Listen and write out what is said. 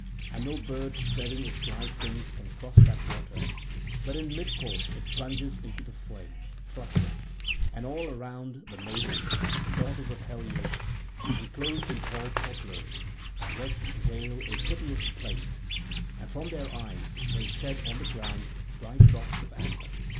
And no bird spreading its light wings can cross that water; but in mid course it plunges into the flame, fluttering. And all around the maidens, the daughters of Helios, enclosed in tall poplars, wretchedly wail a piteous plaint; and from their eyes they shed on the ground bright drops of amber.